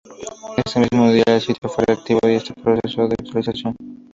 Ese mismo día, el sitio fue reactivado y está en proceso de actualización.